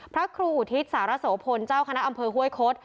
พระครูอุทิศสารโสพลเจ้าคณะอำเภอห้วยคด